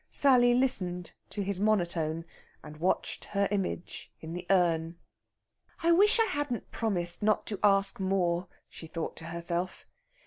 Sally listened to his monotone, and watched her image in the urn. "I wish I hadn't promised not to ask more," she thought to herself.